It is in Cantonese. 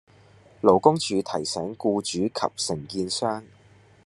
勞工處提醒僱主及承建商